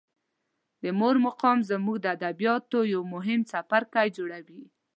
د مور مقام زموږ د ادبیاتو یو مهم څپرکی جوړوي.